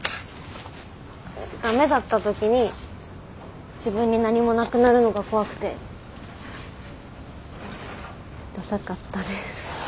ダメだった時に自分に何もなくなるのが怖くてダサかったです。